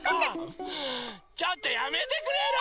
ちょっとやめてくれる！